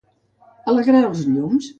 Alegrar els llums.